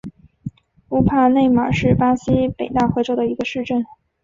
乌帕内马是巴西北大河州的一个市镇。